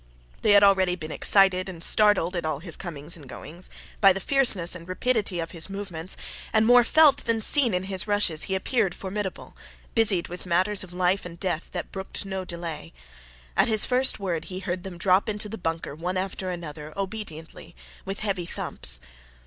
They had already been excited and startled at all his comings and goings by the fierceness and rapidity of his movements; and more felt than seen in his rushes, he appeared formidable busied with matters of life and death that brooked no delay. At his first word he heard them drop into the bunker one after another obediently, with heavy thumps.